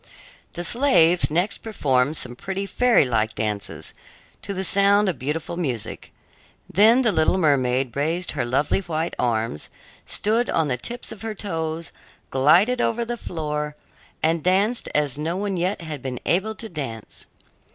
The slaves next performed some pretty fairy like dances, to the sound of beautiful music. Then the little mermaid raised her lovely white arms, stood on the tips of her toes, glided over the floor, and danced as no one yet had been able to dance.